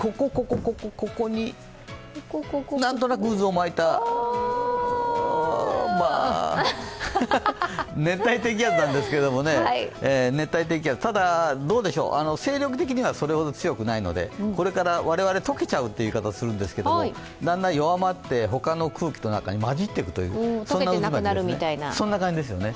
ここに、何となく渦を巻いた熱帯低気圧なんですけど、ただ、どうでしょう、勢力的にはそれほど強くないので、これから我々、溶けちゃうという言い方をするんですけどだんだん弱まって他の空気の中にまじっていく、そんな感じですね。